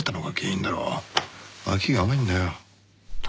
脇が甘いんだよ！